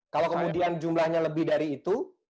kalau kemudian jumlahnya lebih dari itu